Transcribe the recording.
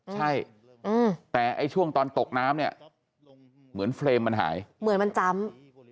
ใช่แต่ไอ้ช่วงตอนตกน้ำเนี่ยเหมือนเฟรมมันหายเหมือนมันจำ